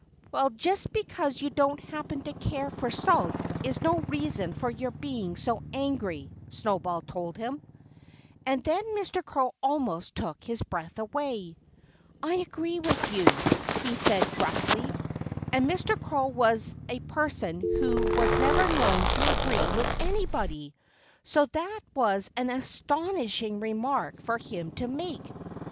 "Well, just because you don't happen to care for salt is no reason for your being so angry," Snowball told him. And then Mr. Crow almost took his breath away. "I agree with you," he said gruffly! And Mr. Crow was a person who was never known to agree with anybody! So that was an astonishing remark for him to make.